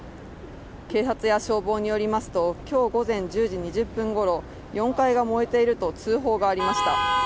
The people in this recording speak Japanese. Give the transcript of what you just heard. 警察や消防によりますと、今日午前１０時２０分ごろ、４階が燃えていると通報がありました。